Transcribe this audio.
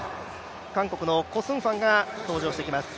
韓国のコ・スンフアンが登場してきます。